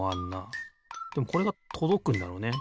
でもこれがとどくんだろうね。